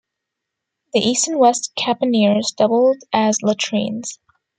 The East and West caponniers doubled as latrines.